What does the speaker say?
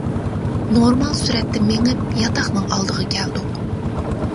نورمال سۈرەتتە مېڭىپ ياتاقنىڭ ئالدىغا كەلدۇق.